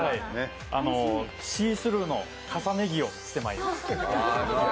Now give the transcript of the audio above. シースルーの重ね着をしてまいりました。